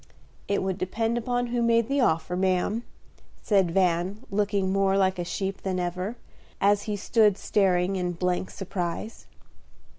"It would depend upon who made the offer, ma'am," said Van, looking more like a sheep than ever, as he stood staring in blank surprise.